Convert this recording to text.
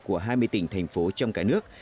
của hai mươi tỉnh thành phố trong cái nước